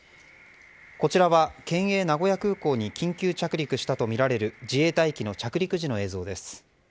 こちらは県営名古屋空港に緊急着陸したとみられる自衛隊機の着陸時の映像です。